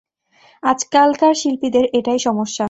আজকালকার শিল্পীদের এটাই সমস্যা।